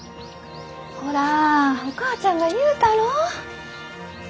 ほらお母ちゃんが言うたろう？